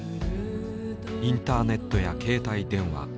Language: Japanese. インターネットや携帯電話。